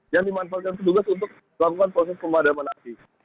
yang dimanfaatkan petugas untuk melakukan proses pemadaman api